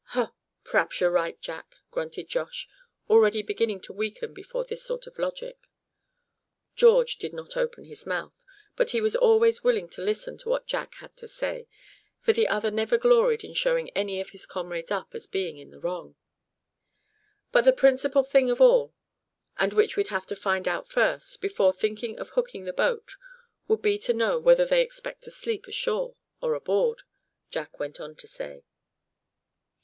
"Huh! p'raps you're right, Jack," grunted Josh, already beginning to weaken before this sort of logic. George did not open his mouth, but he was always willing to listen to what Jack had to say; for the other never gloried in showing any of his comrades up as being in the wrong. "But the principal thing of all, and which we'd have to find out first, before thinking of hooking the boat, would be to know whether they expect to sleep ashore, or aboard," Jack went on to say.